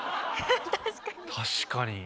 確かに。